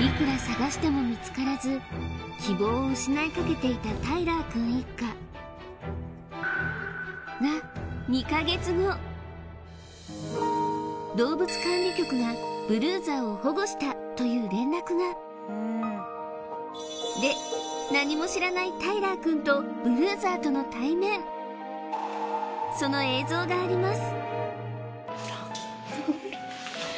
いくら捜しても見つからずタイラーくん一家が動物管理局がブルーザーを保護したという連絡がで何も知らないタイラーくんとブルーザーとの対面その映像があります